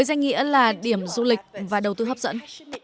đó là điểm du lịch và đầu tư hấp dẫn